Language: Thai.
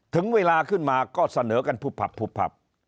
ถึงเวลาขึ้นมาก็เสนอกันผุบผับผุบผับ